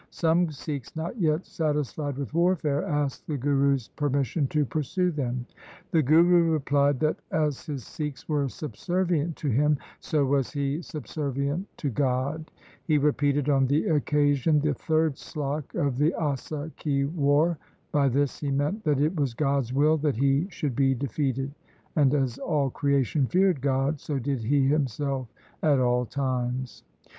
Some Sikhs not yet satisfied with warfare asked the Guru's per mission to pursue them. The Guru replied that as his Sikhs were subservient to him, so was he sub servient to God. He repeated on the occasion the third slok of the Asa ki War. By this he meant that it was God's will that he should be defeated, and as all creation feared God, so did he himself at all times.